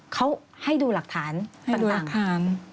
เขาให้ดูหลักฐานต่าง